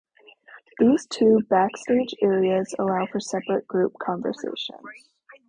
These two backstage areas allow for separate group conversations.